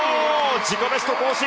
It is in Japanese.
自己ベスト更新！